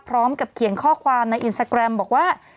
พร้อมกับเขียนข้อความในอินสตาแกรมบอกว่า